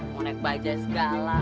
mau naik bajaj segala